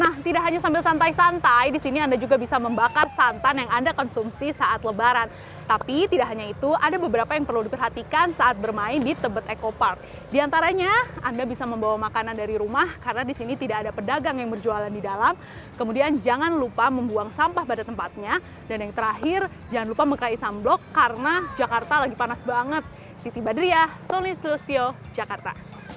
nah zona fitas ini bisa anda gunakan untuk menikmati banyak arena di taman ini anda juga bisa membakar santan yang anda konsumsi saat lebaran tapi tidak hanya itu ada beberapa yang perlu diperhatikan saat bermain di tebet ecopark diantaranya anda bisa membawa makanan dari rumah karena di sini tidak ada pedagang yang berjualan di dalam kemudian jangan lupa membuang sampah pada tempatnya dan yang terakhir jangan lupa mengkaisam blok karena jakarta lagi panas banget siti badriah solins lusio jakarta